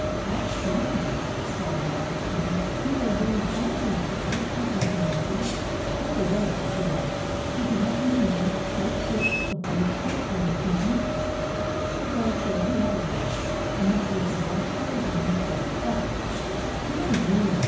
"That's strange!" Jolly Robin exclaimed. "We are very fond of each other my cousin and I. By the way," he added, "did you happen to notice what sort of waistcoat he was wearing?" Mr. Crow said he had noticed; and that it was a light colored one with dark spots. "Dear me!"